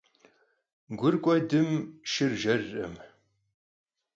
Gur k'uedme, şşır jjerkhım.